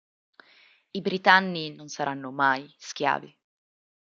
I Britanni non saranno mai schiavi.